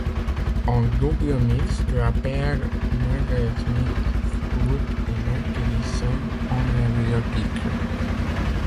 En double mixte, la paire Margaret Smith Court et Marty Riessen enlève le titre.